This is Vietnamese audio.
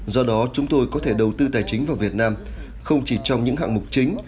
do đó chúng tôi có thể đầu tư tài chính vào việt nam không chỉ trong những hạng mục chính